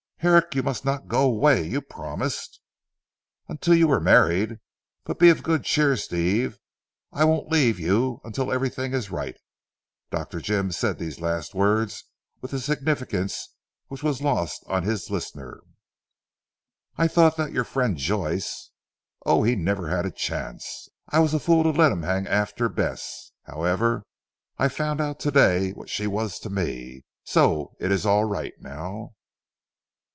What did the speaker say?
"Herrick you must not go away. You promised." "Until you were married. But be of good cheer Steve, I won't leave you until everything is right." Dr. Jim said these last words with a significance which was lost on his listener. "I thought that your friend Joyce " "Oh! he never had a chance. I was a fool to let him hang after Bess. However I found out to day what she was to me, so it is all right now."